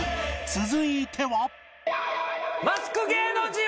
続いては